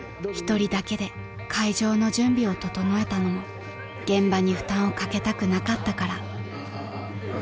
［１人だけで会場の準備を整えたのも現場に負担をかけたくなかったから］